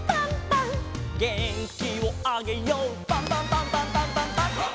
「げんきをあげようパンパンパンパンパンパンパン！！」